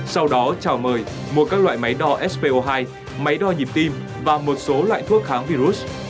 sau đó chào mời mua các loại máy đo spo hai máy đo nhịp tim và một số loại thuốc kháng virus